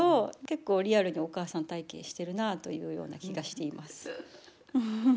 結構リアルにお母さん体験してるなというような気がしています。